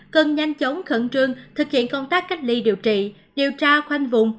cần nhanh chóng khẩn trương thực hiện công tác cách ly điều trị điều tra khoanh vùng